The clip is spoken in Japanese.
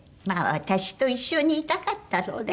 まあ私と一緒にいたかったって。